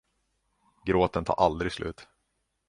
Gråten tar aldrig slut.